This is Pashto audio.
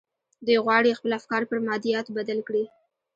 دوی غواړي خپل افکار پر مادياتو بدل کړي.